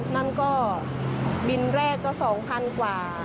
นั่นก็บินแรกก็๒๐๐๐กว่า